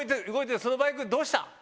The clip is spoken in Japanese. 動いてるそのバイクどうした？